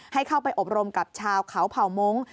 ให้เข้าไปอบรมกับชาวเขาเผ่ามงค์